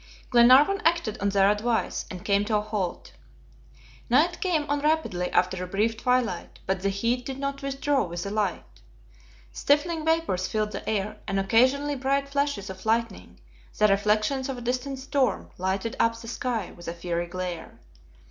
Glenarvan acted on their advice, and came to a halt. Night came on rapidly after a brief twilight, but the heat did not withdraw with the light. Stifling vapors filled the air, and occasionally bright flashes of lightning, the reflections of a distant storm, lighted up the sky with a fiery glare.